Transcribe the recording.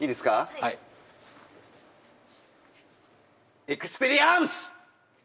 はいエクスペリアームス！